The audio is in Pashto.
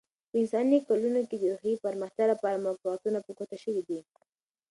په انساني کلونه کې، د روحي پرمختیا لپاره موقعیتونه په ګوته شوي دي.